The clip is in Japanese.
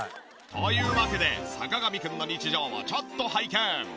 というわけで坂上くんの日常をちょっと拝見。